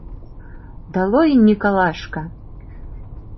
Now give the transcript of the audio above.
— Долой Николашка!